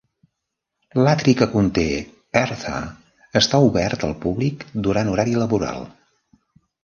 L'atri que conté Eartha està obert al públic durant horari laboral.